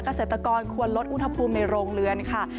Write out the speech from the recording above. เกษตรกรควรลดอุณหภูมิในโรงเรือนค่ะ